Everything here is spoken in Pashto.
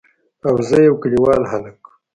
او زه يو کليوال هلک.